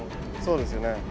そうですよね。